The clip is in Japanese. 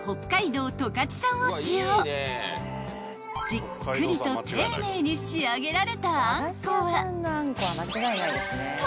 ［じっくりと丁寧に仕上げられたあんこは］